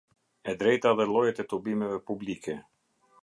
E drejta dhe llojet e tubimeve publike.